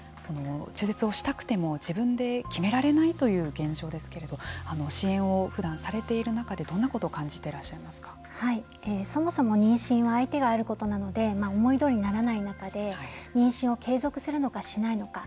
中絶をしたくても自分で決められないという現状ですけれど支援をふだんされている中でどんなことをそもそも妊娠は相手があることなので思いどおりにならない中で妊娠を継続するのかしないのか。